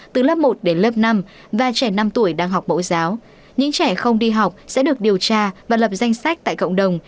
từ lớp một đến lớp năm và trẻ năm tuổi đang học mẫu giáo những trẻ không đi học sẽ được điều tra và lập danh sách tại cộng đồng